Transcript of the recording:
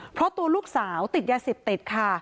เพราะตัวลูกสาวติดยาเสพติดค่ะ